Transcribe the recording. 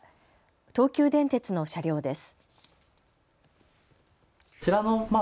東急電鉄の車両です。